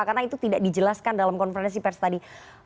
karena itu tidak dijelaskan dalam konferensi pers tadi